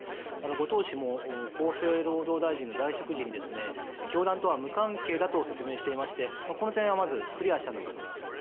後藤氏も厚生労働大臣の在職時に教団とは無関係だと説明していましてこの点はまずクリアしたんだと思います。